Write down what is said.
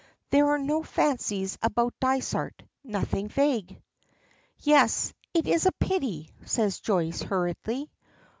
There are no fancies about Dysart. Nothing vague. "Yes; it is a pity," says Joyce, hurriedly.